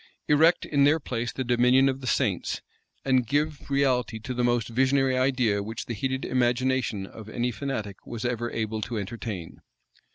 Erect in their place the dominion of the saints, and give reality to the most visionary idea which the heated imagination of any fanatic was ever able to entertain?